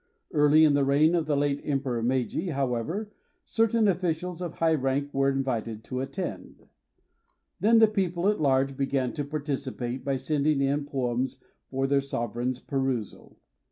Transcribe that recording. Early in the reign of the late Emperor Meiji, however, certain ofiicials of high rank were invited to attend ; then the people at large began to participate by send ing in poems for their sovereign's pe rusal.